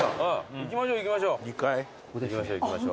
行きましょう行きましょう。